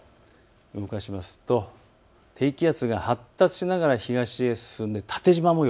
動かしますと低気圧が発達しながら東へ進んで縦じま模様。